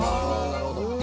なるほど！